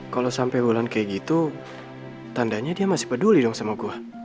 kalo sampe ulan kayak gitu tandanya dia masih peduli dong sama gue